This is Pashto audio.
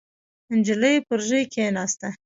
نجلۍ پر ژۍ کېناسته.